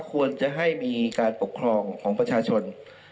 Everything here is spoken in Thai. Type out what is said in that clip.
ควรจะให้มีการปกครองของประชาชน